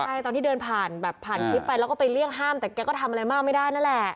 ใช่ตอนที่เดินผ่านแบบผ่านคลิปไปแล้วก็ไปเรียกห้ามแต่แกก็ทำอะไรมากไม่ได้นั่นแหละ